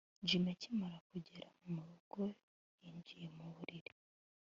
Jim akimara kugera murugo yinjiye mu buriri